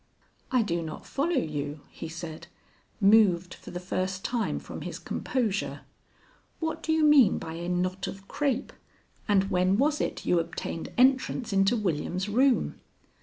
"I do not follow you," he said, moved for the first time from his composure. "What do you mean by a knot of crape, and when was it you obtained entrance into William's room?"